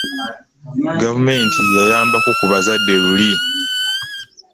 Gavumenti yayambangako ku bazadde luli.